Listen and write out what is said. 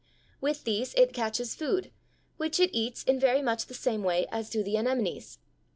With these it catches food, which it eats in very much the same way as do the anemones.